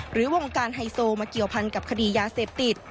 วงการไฮโซมาเกี่ยวพันกับคดียาเสพติด